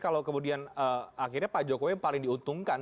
kalau kemudian akhirnya pak jokowi yang paling diuntungkan